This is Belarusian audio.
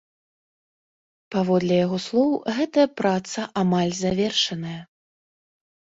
Паводле яго слоў, гэтая праца амаль завершаная.